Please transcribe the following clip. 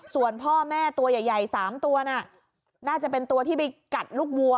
ส่วนพ่อแม่ตัวใหญ่๓ตัวน่ะน่าจะเป็นตัวที่ไปกัดลูกวัว